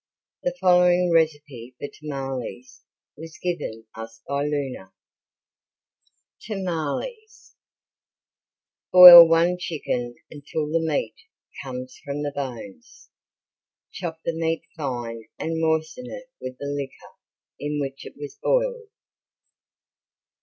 The following recipe for tamales was given us by Luna: Tamales Boil one chicken until the meat comes from the bones. Chop the neat fine and moisten it with the liquor in which it was boiled.